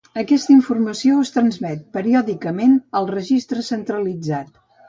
Aquesta informació es transmet periòdicament al registre centralitzat.